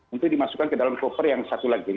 untuk dimasukkan ke dalam koper yang satu lagi